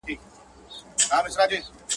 انټرنېټ د معلوماتو لویه سرچینه ده